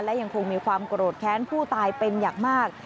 และยังคงมีความโกรธแค้นผู้ตายเป็นอย่างมาก